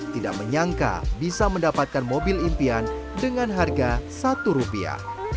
tidak menyangka bisa mendapatkan mobil impian dengan harga satu rupiah